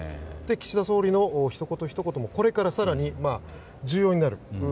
岸田総理のひと言、ひと言もこれから更に重要になる。